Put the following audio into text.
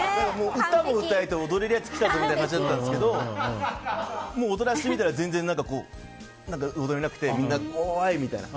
歌も歌えて踊れるやつ来たぜみたいな感じだったんですけどもう踊らせてみたら全然、踊れなくてみんなおーい！みたいな。